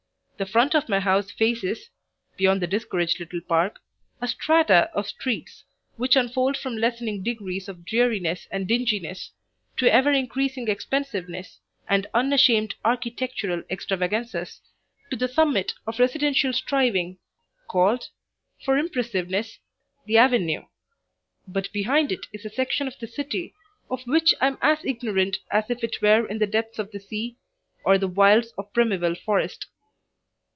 The front of my house faces, beyond the discouraged little park, a strata of streets which unfold from lessening degrees of dreariness and dinginess to ever increasing expensiveness and unashamed architectural extravaganzas, to the summit of residential striving, called, for impressiveness, the Avenue, but behind it is a section of the city of which I am as ignorant as if it were in the depths of the sea or the wilds of primeval forest.